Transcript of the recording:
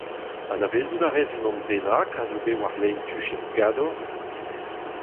Anavezout a rez unan bennak a zo bet war lein Tuchenn Gador ?